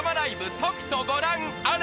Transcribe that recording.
とくとご覧あれ］